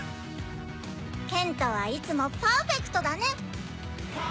ケントはいつもパウフェクトだね。